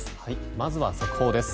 まずは速報です。